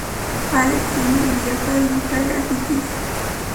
Àlex tiene habilidad para dibujar grafitis.